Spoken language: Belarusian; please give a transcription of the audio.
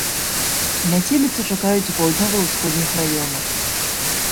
Мяцеліцу чакаюць у паўднёва-ўсходніх раёнах.